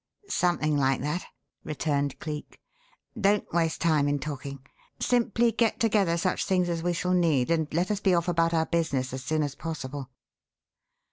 "Something like that," returned Cleek. "Don't waste time in talking. Simply get together such things as we shall need and let us be off about our business as soon as possible."